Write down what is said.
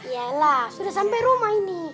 yalah sudah sampai rumah ini